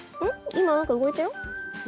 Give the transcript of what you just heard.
今何か動いたよ。